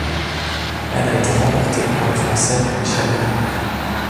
Elle a été remportée par le Français Michel Laurent.